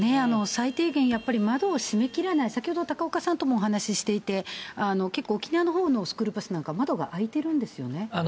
最低限、やっぱり窓を閉め切らない、先ほど、高岡さんともお話していて、結構、沖縄のほうのスクールバスなんかは窓が開いてるんですよね。